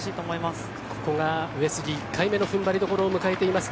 ここが上杉１回目のふんばりどころを迎えています。